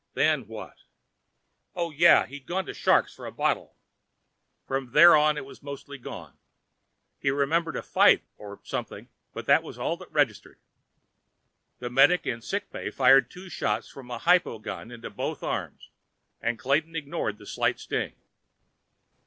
Then what? Oh, yeah. He'd gone to the Shark's for a bottle. From there on, it was mostly gone. He remembered a fight or something, but that was all that registered. The medic in the sick bay fired two shots from a hypo gun into both arms, but Clayton ignored the slight sting.